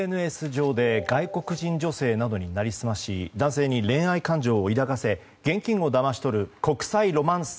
ＳＮＳ上で外国人女性などに成り済まし男性に恋愛感情を抱かせ現金をだまし取る国際ロマンス